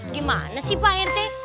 gimana sih pak rete